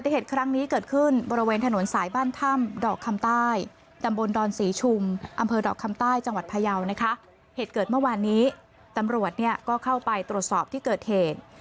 เหตุเกิดเมื่อวานนี้ตำรวจก็เข้าไปโรสอบที่เกิดเหตุ